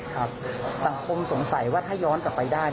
สังคมสงสัยว่าถ้าย้อนกลับไปได้